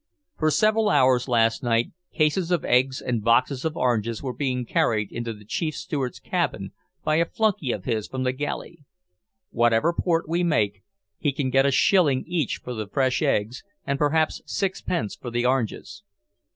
For several hours last night cases of eggs and boxes of oranges were being carried into the Chief Steward's cabin by a flunky of his from the galley. Whatever port we make, he can get a shilling each for the fresh eggs, and perhaps sixpence for the oranges.